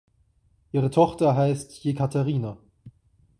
Ihre Tochter heißt Jekaterina.